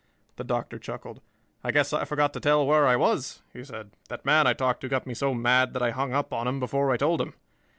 The Doctor chuckled. "I guess I forgot to tell where I was," he said. "That man I talked to got me so mad that I hung up on him before I told him.